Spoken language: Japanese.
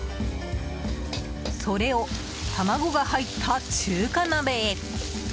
それを卵が入った中華鍋へ！